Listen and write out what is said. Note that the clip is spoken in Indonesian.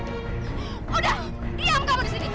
udah diam kamu di sini